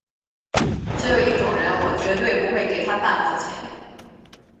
只有一种人我绝对不会给他半毛钱